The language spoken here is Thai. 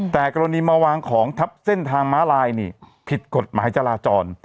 แต่กรณีมาวางของทับเส้นทางม้าลายนี่ผิดกฎหมายจราจร